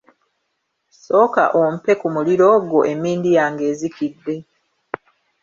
Sooka ompe ku muliro ogwo emmindi yange ezikidde.